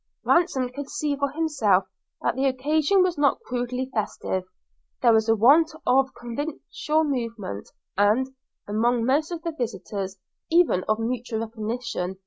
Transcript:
Ransom could see for himself that the occasion was not crudely festive; there was a want of convivial movement, and, among most of the visitors, even of mutual recognition.